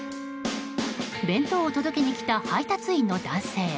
弁当を届けに来た配達員の男性。